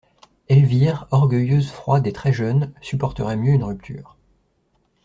Elvire, orgueilleuse froide et très jeune supporterait mieux une rupture.